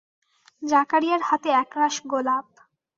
জাকারিয়ার হাতে একরাশ গোলাপ।